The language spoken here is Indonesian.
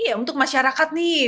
iya untuk masyarakat nih